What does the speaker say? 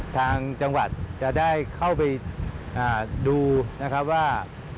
ทางจังหวัดจะได้เข้าไปดูว่า